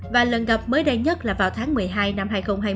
và lần gặp mới đây nhất là vào tháng một mươi hai năm hai nghìn hai mươi